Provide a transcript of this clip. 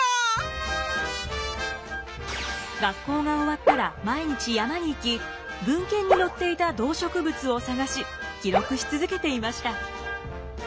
学校が終わったら毎日山に行き文献に載っていた動植物を探し記録し続けていました。